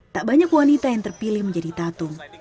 tak banyak wanita yang terpilih menjadi tatung